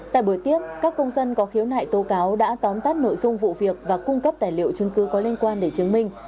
tại buổi tiếp các công dân có khiếu nại tố cáo đã tóm tắt nội dung vụ việc và cung cấp tài liệu chứng cứ có liên quan để chứng minh